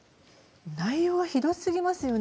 内容がひどすぎますよね。